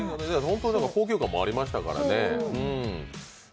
高級感もありましたからね。